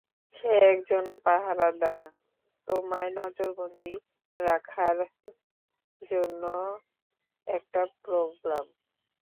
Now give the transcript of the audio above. সে একজন পাহারাদার, তোমায় নজরবন্দী রাখার জন্য জন্য একটা প্রোগ্রাম।